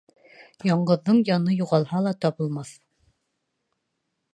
Яңғыҙҙың яны юғалһа ла табылмаҫ.